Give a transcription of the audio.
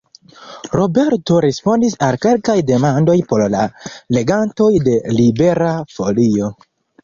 Roberto respondis al kelkaj demandoj por la legantoj de Libera Folio.